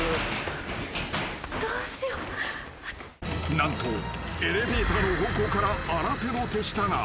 ［何とエレベーターの方向から新手の手下が］